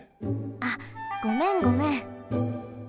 あっごめんごめん。